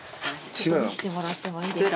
見せてもらってもいいですか？